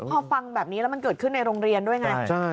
พอฟังแบบนี้แล้วมันเกิดขึ้นในโรงเรียนด้วยไง